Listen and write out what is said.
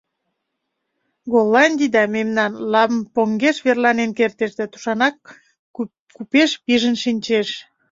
— Голландийда мемнан Лампонгеш верланен кертеш да тушанак купеш пижын шинчеш!